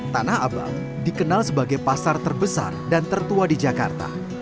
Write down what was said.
tanah abang dikenal sebagai pasar terbesar dan tertua di jakarta